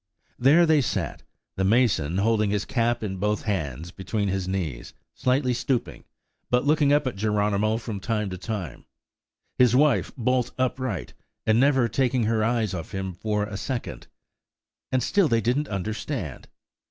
There they sat, the mason holding his cap in both hands between his knees, slightly stooping, but looking up at Geronimo from time to time; his wife bolt upright, and never taking her eyes off him for a second. And still they didn't understand!